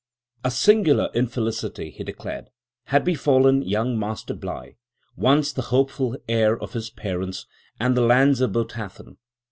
"A singular infelicity," he declared, "had befallen young Master Bligh, once the hopeful heir of his parents and of the lands of Botathen.